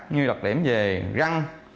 như đặc điểm về răng